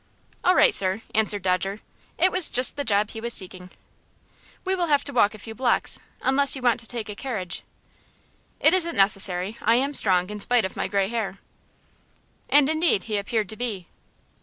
"All right, sir," answered Dodger. It was just the job he was seeking. "We will have to walk a few blocks, unless you want to take a carriage." "It isn't necessary. I am strong, in spite of my gray hair." And indeed he appeared to be.